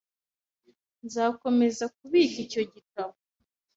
Nzakomeza kubika icyo gitabo .